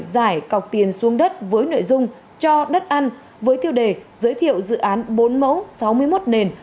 giải cọc tiền xuống đất với nội dung cho đất ăn với tiêu đề giới thiệu dự án bốn mẫu sáu mươi một nền